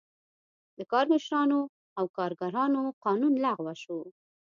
د کارمشرانو او کارګرانو قانون لغوه شو.